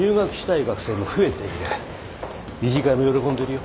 理事会も喜んでるよ。